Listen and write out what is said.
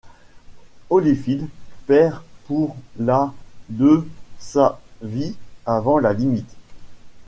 Holyfield perd pour la de sa vie avant la limite.